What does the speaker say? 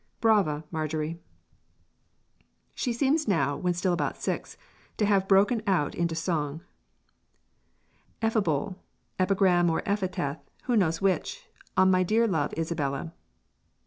Brava, Marjorie! She seems now, when still about six, to have broken out into song: EPHIBOL [EPIGRAM OR EPITAPH WHO KNOWS WHICH?] ON MY DEAR LOVE ISABELLA.